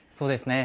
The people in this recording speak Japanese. そうですね。